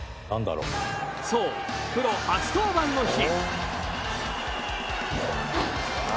そうプロ初登板の日。